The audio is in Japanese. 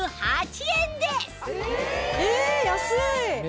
え安い！